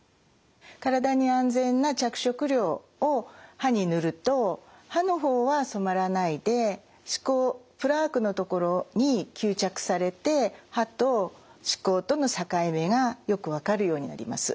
体に安全な着色料を歯に塗ると歯の方は染まらないで歯垢プラークのところに吸着されて歯と歯垢との境目がよく分かるようになります。